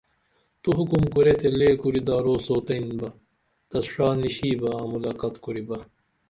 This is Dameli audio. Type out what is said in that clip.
تو حکم کُرے تے لے کُری دارو سوتین بہ تس شا نیشبہ آں ملاقات کُریبہ